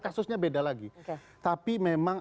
kasusnya beda lagi tapi memang